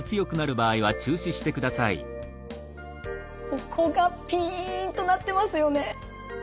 ここがピンとなってますよね。